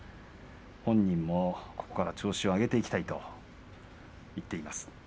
本人も、ここから調子を上げていきたいと言っています。